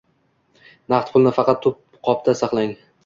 Naqd pulni faqat qo'lqopda saqlang